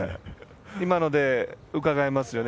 今のでうかがえますよね